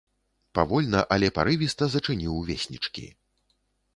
Павольна, але парывіста зачыніў веснічкі.